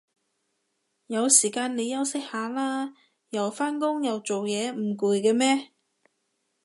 有時間你休息下啦，又返工又做嘢唔攰嘅咩